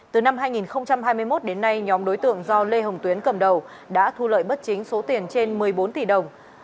từ năm hai nghìn hai mươi một đến nay nhóm đối tượng do lê hồng tuyến cầm đầu đã thu lợi bất chính số tiền trên một mươi bốn tỷ đồng